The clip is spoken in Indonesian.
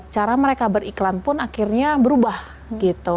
cara mereka beriklan pun akhirnya berubah gitu